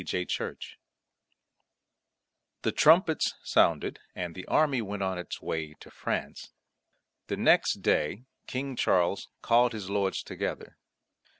CHAPTER IX ROLAND The trumpets sounded and the army went on its way to France. The next day King Charles called his lords together.